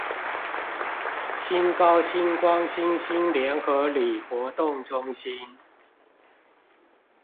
新高新光新興聯合里活動中心